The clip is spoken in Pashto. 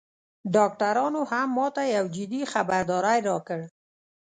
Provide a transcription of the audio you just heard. ډاکترانو هم ماته یو جدي خبرداری راکړ